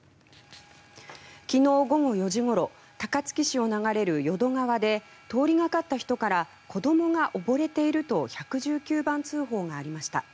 昨日午後４時ごろ高槻市を流れる淀川で通りがかった人から子供が溺れていると１１９番通報がありました。